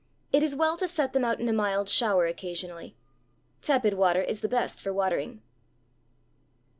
It is well to set them out in a mild shower occasionally. Tepid water is the best for watering.